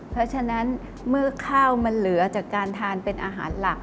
เพราะฉะนั้นเมื่อข้าวมันเหลือจากการทานเป็นอาหารหลัก